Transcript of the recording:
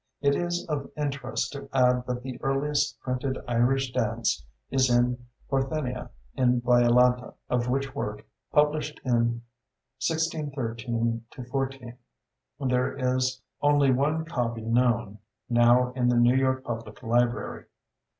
It is of interest to add that the earliest printed "Irish Dance" is in Parthenia Inviolata, of which work, published in 1613 4, there is only one copy known now in the New York Public Library.